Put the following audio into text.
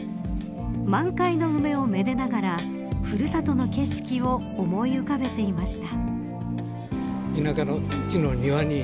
満開の梅をめでながらふるさとの景色を思い浮かべていました。